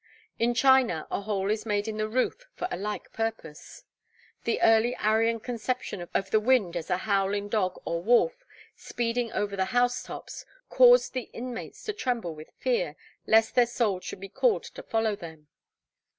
In China a hole is made in the roof for a like purpose. The early Aryan conception of the wind as a howling dog or wolf speeding over the house tops caused the inmates to tremble with fear, lest their souls should be called to follow them.